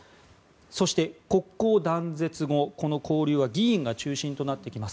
そして、国交断絶後この交流は議員が中心となってきます。